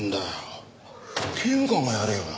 刑務官がやれよな。